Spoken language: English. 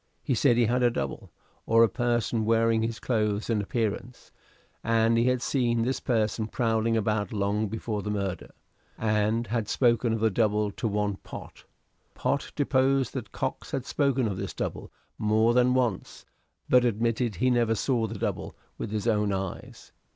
He said he had a double or a person wearing his clothes and appearance; and he had seen this person prowling about long before the murder, and had spoken of the double to one Pott. Pott deposed that Cox had spoken of this double more than once; but admitted he never saw the double with his own eyes.